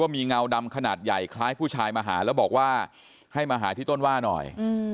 มีเงาดำขนาดใหญ่คล้ายผู้ชายมาหาแล้วบอกว่าให้มาหาที่ต้นว่าหน่อย